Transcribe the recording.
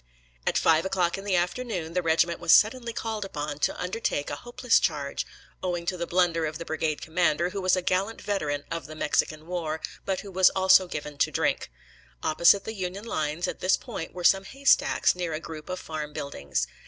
At five o'clock in the afternoon the regiment was suddenly called upon to undertake a hopeless charge, owing to the blunder of the brigade commander, who was a gallant veteran of the Mexican war, but who was also given to drink. Opposite the Union lines at this point were some haystacks, near a group of farm buildings.